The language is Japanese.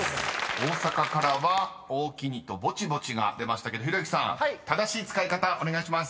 ［大阪からは「おーきに」と「ぼちぼち」が出ましたけどひろゆきさん正しい使い方お願いします］